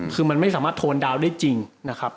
คือมันไม่สามารถโทนดาวน์ได้จริงนะครับ